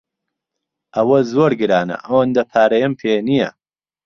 ئەوە زۆر گرانە، ئەوەندە پارەیەم پێ نییە.